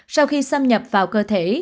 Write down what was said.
sau khi xâm nhập vào cơ thể